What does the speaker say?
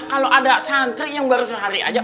kalau ada santri yang baru sehari aja